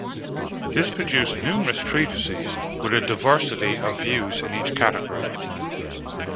This produced numerous treatises, with a diversity of views, in each category.